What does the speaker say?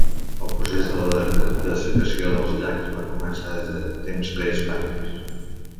El procés de dessecació dels llacs va començar des de temps prehispànics.